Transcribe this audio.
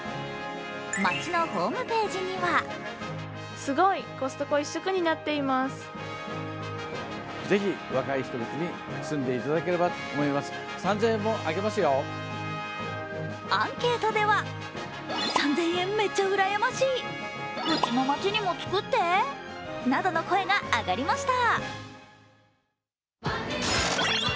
町のホームページにはアンケートではなどの声が上がりました。